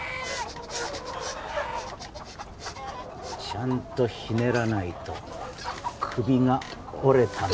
ちゃんとひねらないと首が折れたまま暴れるぞ。